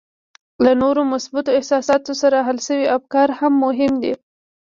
له نورو مثبتو احساساتو سره حل شوي افکار هم مهم دي